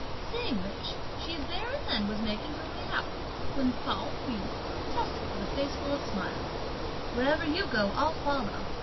Saying which, she there and then was making her way out, when Pao yü protested with a face full of smiles: "Wherever you go, I'll follow!"